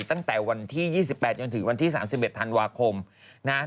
ตั้งแต่วันที่๒๘จนถึงวันที่๓๑ธันวาคมนะฮะ